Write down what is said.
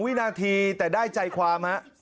วินาทีแต่ได้ใจความฮะ